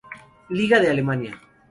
Liga de Alemania.